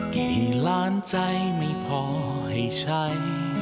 กี่ล้านใจไม่พอให้ใช้